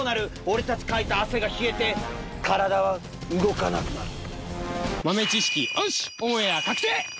俺たちかいた汗が冷えて体は動かなくなる。